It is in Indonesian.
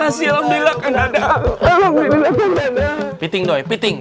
alhamdulillah kang dadang